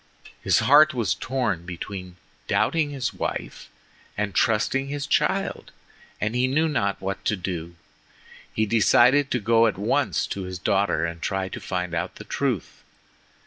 His heart was torn between doubting his wife and trusting his child, and he knew not what to do. He decided to go at once to his daughter and try to find out the truth.